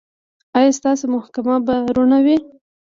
ایا ستاسو محکمه به رڼه وي؟